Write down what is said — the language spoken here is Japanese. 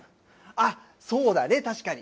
あっ、そうだね、確かに。